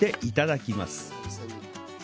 いただきます。